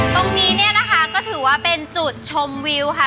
ตรงนี้เนี่ยนะคะก็ถือว่าเป็นจุดชมวิวค่ะ